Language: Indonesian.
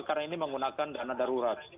karena kita mengenakan dana darurat